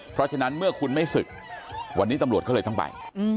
เพราะฉะนั้นเมื่อคุณไม่ศึกวันนี้ตำรวจก็เลยต้องไป